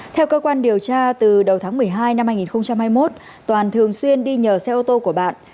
theo cơ quan điều tra từ đầu tháng một mươi hai năm hai nghìn hai mươi một toàn thường xuyên đi nhờ xe ô tô của bạn